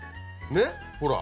ねっほら。